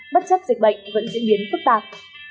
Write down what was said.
bất chấp dịch bệnh vẫn diễn biến phức tạp